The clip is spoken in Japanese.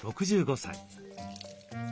６５歳。